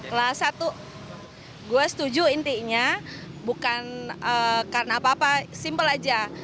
kelas satu gue setuju intinya bukan karena apa apa simpel aja